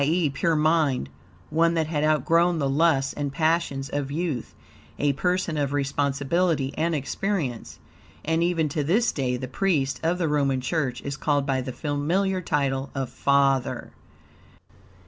e., pure mind; one that had outgrown the lusts and passions of youth, a person of responsibility and experience; and even to this day the priest of the Roman Church is called by the familiar title of "father."